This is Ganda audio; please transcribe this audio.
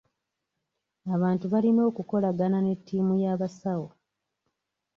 Abantu balina okukolagana ne ttiimu y'abasawo.